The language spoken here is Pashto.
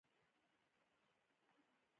په سوله ایز ډول یې کوچ راکړی وي.